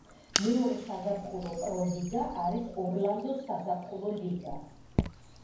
მეორე საზაფხულო პრო ლიგა არის ორლანდოს საზაფხულო ლიგა.